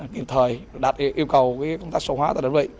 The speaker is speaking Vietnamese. kiểm thời đạt được yêu cầu công tác số hóa tại đơn vị